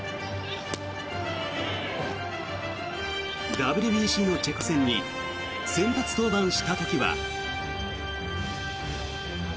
ＷＢＣのチェコ戦に先発登板した時は。